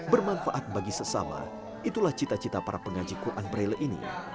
bermanfaat bagi sesama itulah cita cita para pengaji quran braille ini